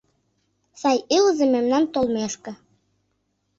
Сай илыза мемнан толмешке.